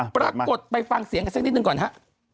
ปรากฏไปฟังเสียงกันสักนิดหนึ่งก่อนฮะ